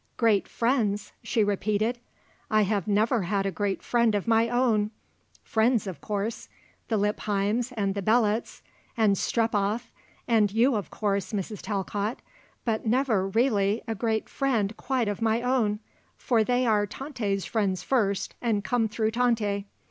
"Great friends?" she repeated. "I have never had a great friend of my own. Friends, of course; the Lippheims and the Belots; and Strepoff; and you, of course, Mrs. Talcott; but never, really, a great friend quite of my own, for they are Tante's friends first and come through Tante.